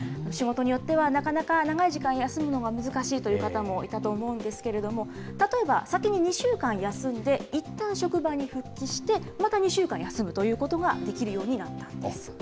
仕事によっては、なかなか長い時間、休むのが難しいという方もいたと思うんですけれども、例えば先に２週間休んで、いったん職場に復帰して、また２週間休むということができるようになったんです。